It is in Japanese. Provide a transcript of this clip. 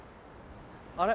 あれ？